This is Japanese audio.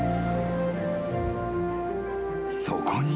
［そこに］